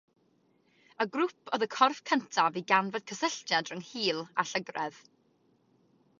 Y grŵp oedd y corff cyntaf i ganfod y cysylltiad rhwng hil a llygredd.